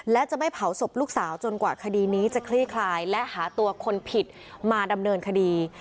และจะไม่เผาศพลูกสาวจนกว่าคดีนี้จะคลี่คลายและหาตัวคนผิดมาดำเนินคดี